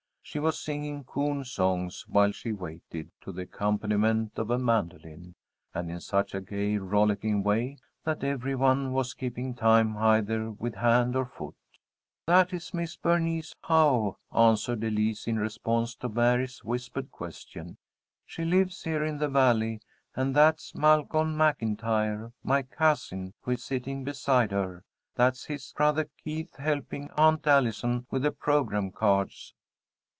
She was singing coon songs while she waited, to the accompaniment of a mandolin, and in such a gay, rollicking way, that every one was keeping time either with hand or foot. "That is Miss Bernice Howe," answered Elise, in response to Mary's whispered question. "She lives here in the Valley. And that's Malcolm MacIntyre, my cousin, who is sitting beside her. That's his brother Keith helping Aunt Allison with the programme cards."